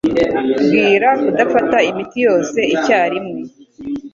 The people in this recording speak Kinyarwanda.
Bwira kudafata imiti yose icyarimwe.